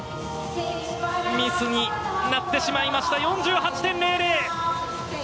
ミスになってしまいました４８．００。